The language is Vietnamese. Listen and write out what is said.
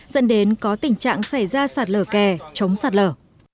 dẫn đến có tình trạng xảy ra sạt lở kè chống sạt lở